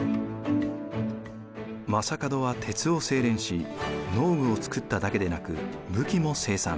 将門は鉄を精錬し農具を作っただけでなく武器も生産。